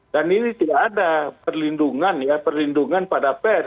dan ini tidak ada perlindungan perlindungan pada pers